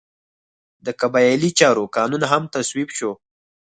د قبایلي چارو قانون هم تصویب شو.